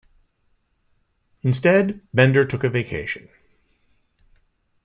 Instead Bender took a vacation.